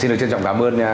xin được trân trọng cảm ơn